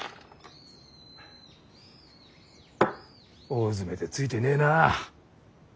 大詰めでツイてねえな。